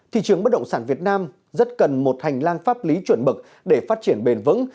thị trường bất động sản việt nam rất cần một hành lang pháp lý chuẩn mực để phát triển bền vững